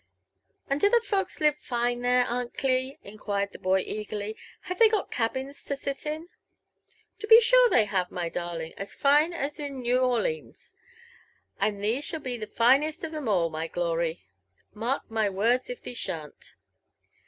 "And do the folks live fme there, Aunt Cli ?" inquired the boy eagerly : "have (hey got cabins to sit in ?" "To be sure they have, my darling, as fine as New Orlines; an^ thee shall be the finest of 'em all, my glory, — mark my words if thee shan't."